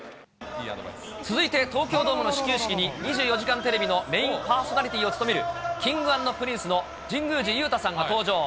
続いて東京ドームの始球式に、２４時間テレビのメインパーソナリティーを務めるＫｉｎｇ＆Ｐｒｉｎｃｅの神宮寺勇太さんが登場。